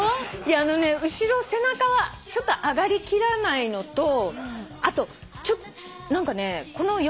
あのね後ろ背中はちょっと上がりきらないのとあと何かね